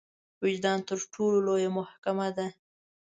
وجدان تر ټولو لويه محکمه ده.